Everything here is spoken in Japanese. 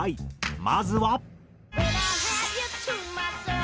まずは。